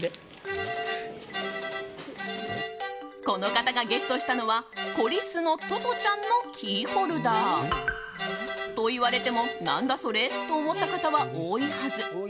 この方がゲットしたのはこりすのトトちゃんのキーホルダー。と言われても、何だそれ？と思った方は多いはず。